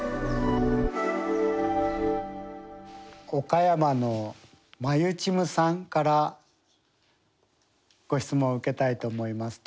岡山のまゆちむさんからご質問を受けたいと思います。